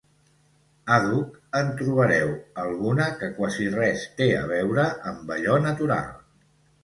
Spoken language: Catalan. Àdhuc en trobareu alguna que quasi res té a veure amb allò natural.